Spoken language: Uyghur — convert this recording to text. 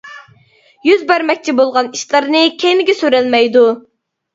يۈز بەرمەكچى بولغان ئىشلارنى كەينىگە سۈرەلمەيدۇ.